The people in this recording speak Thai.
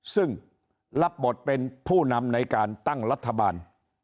ซึ่งรับบทเป็นผู้นำในการตั้งรัฐบาล